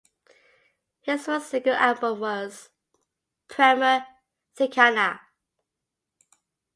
His first single album was "Premer Thikana".